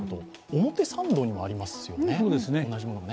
表参道にもありますよね、同じものが。